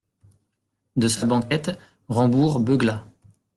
De sa banquette, Rambourg beugla.